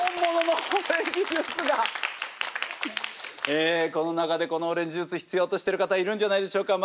ええこの中でこのオレンジジュース必要としてる方いるんじゃないでしょうか。